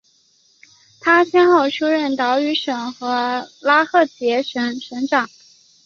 他先后出任岛屿省和拉赫杰省省长。